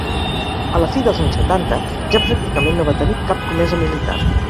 A la fi dels anys setanta ja pràcticament no va tenir cap comesa militar.